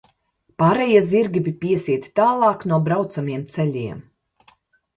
Pārējie zirgi bija piesieti tālāk no braucamiem ceļiem.